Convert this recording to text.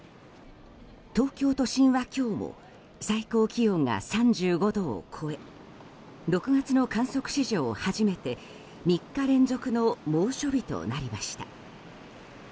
東京都心は今日も最高気温が３５度を超え６月の観測史上初めて３日連続の猛暑日となりました。